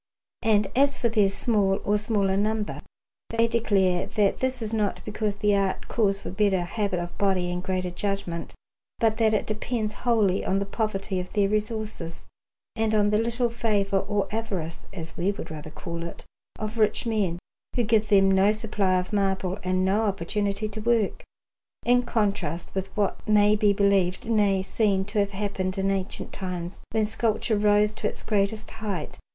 And as for their small or smaller number, they declare that this is not because the art calls for a better habit of body and greater judgment, but that it depends wholly on the poverty of their resources and on the little favour, or avarice, as we would rather call it, of rich men, who give them no supply of marble and no opportunity to work; in contrast with what may be believed, nay, seen to have happened in ancient times, when sculpture rose to its greatest height.